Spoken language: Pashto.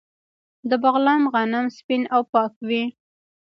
د بغلان غنم سپین او پاک وي.